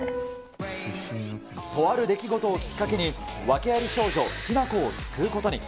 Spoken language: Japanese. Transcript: とある出来事をきっかけに、訳あり少女、ヒナコを救うことに。